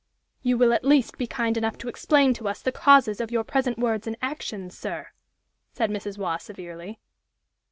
"You will at least be kind enough to explain to us the causes of your present words and actions, sir!" said Mrs. Waugh, severely.